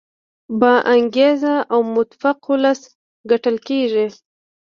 با انګیزه او متفق ولس ګټل کیږي.